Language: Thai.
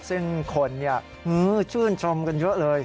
ซึ่งคนชื่นชมกันเยอะเลย